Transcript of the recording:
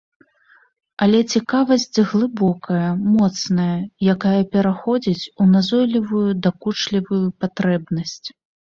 Але цікавасць глыбокая, моцная, якая пераходзіць у назойлівую, дакучлівую патрэбнасць.